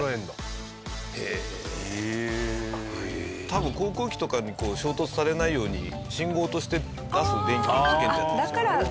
多分航空機とかに衝突されないように信号として出す電気をつけてるんですね。